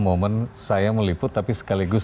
momen saya meliput tapi sekaligus